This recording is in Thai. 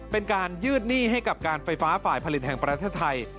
เป็นการยืดหนี้ให้กับการไฟฟ้าฝ่ายผลิตแห่งประเทศไทย